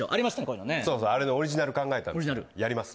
赤白あれのオリジナル考えたんですけどやります？